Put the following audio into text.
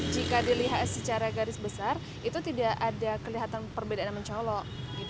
jika dilihat secara garis besar itu tidak ada kelihatan perbedaan yang mencolok